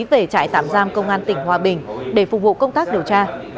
về trại tạm giam công an tỉnh hòa bình để phục vụ công tác điều tra